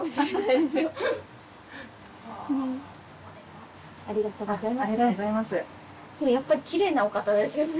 でもやっぱりきれいなお方ですよね。